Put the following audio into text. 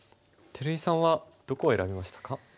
照井さんはどこを選びましたか？